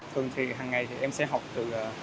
thường thì hằng ngày em sẽ học từ